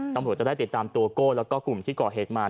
ตำรวจจะได้ติดตามตัวโก้แล้วก็กลุ่มที่ก่อเหตุมา